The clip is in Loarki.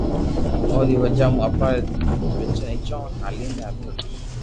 اوري وجہ مون اپارا بچو اي دھاپين روٽي